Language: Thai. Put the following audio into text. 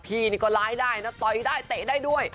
พี่นี่ก็ร้ายได้นะต่อยได้เตะได้ด้วย